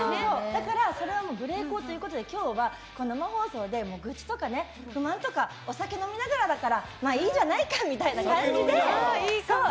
だから無礼講ということで今日は生放送で愚痴とか不満とかお酒飲みながらだからまあ、いいじゃないかみたいな感じで。